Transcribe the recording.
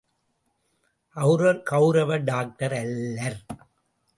அவர் கௌரவ டாக்டர் அல்லர்.